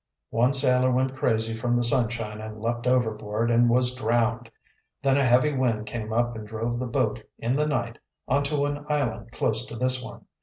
"One sailor went crazy from the sunshine and leaped overboard, and was drowned. Then a heavy wind came up and drove the boat, in the night, onto an island close to this one.